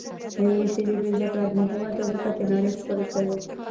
د انګلیسي ژبې زده کړه مهمه ده ځکه چې نړۍ ښکلې کوي.